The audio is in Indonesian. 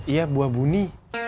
iya buah buni